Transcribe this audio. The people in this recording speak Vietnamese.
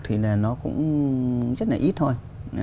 thì là nó cũng rất là ít thôi